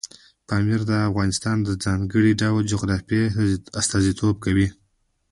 پامیر د افغانستان د ځانګړي ډول جغرافیه استازیتوب کوي.